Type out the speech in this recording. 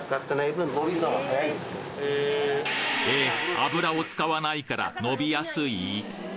油を使わないから伸びやすい？